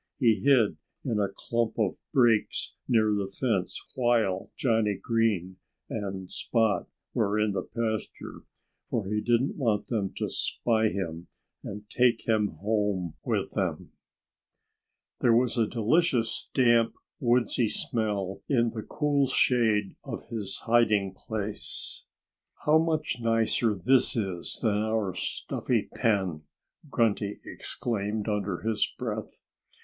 He hid in a clump of brakes near the fence while Johnnie Green and Spot were in the pasture, for he didn't want them to spy him and take him home with them. There was a delicious, damp, woodsy smell in the cool shade of his hiding place. "How much nicer this is than our stuffy pen!" Grunty exclaimed under his breath.